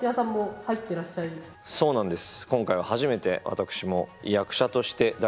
そうなんです。